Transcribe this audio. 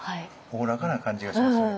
おおらかな感じがしますよね。